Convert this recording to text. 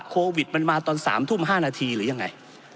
โควิดมันมาตอน๓ทุ่ม๕นาทีหรือยังไง